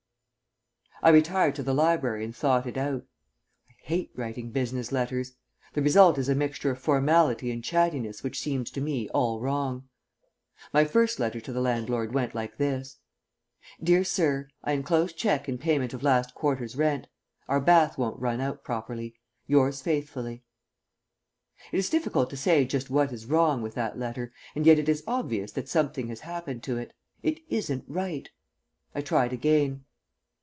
I retired to the library and thought it out. I hate writing business letters. The result is a mixture of formality and chattiness which seems to me all wrong. My first letter to the landlord went like this: "DEAR SIR, I enclose cheque in payment of last quarter's rent. Our bath won't run out properly. Yours faithfully." It is difficult to say just what is wrong with that letter, and yet it is obvious that something has happened to it. It isn't right. I tried again.